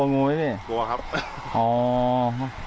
คุณกินปลายังกลัวเลย